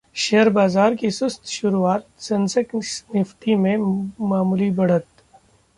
share बाजार की सुस्त शुरुआत, सेंसेक्स-निफ्टी में मामूली बढ़त